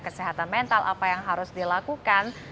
kesehatan mental apa yang harus dilakukan